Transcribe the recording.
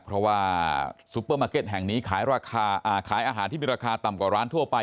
เพราะว่าซุปเปอร์มาร์เก็ตแห่งนี้ขายอาหารที่มีราคาต่ำกว่าร้านทั่วไป